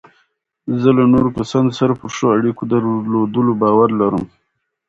زه له نورو کسانو سره پر ښو اړیکو درلودلو باور لرم.